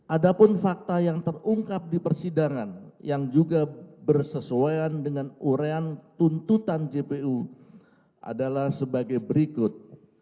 ada pun fakta yang terungkap di persidangan yang juga bersesuaian dengan urean tuntutan jpu adalah sebagai berikut